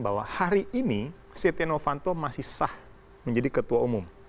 bahwa hari ini sidenovanto masih sah menjadi ketua umum